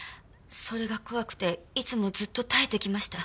それが怖くていつもずっと耐えてきました。